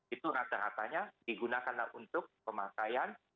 itu rata ratanya digunakanlah untuk pemakaian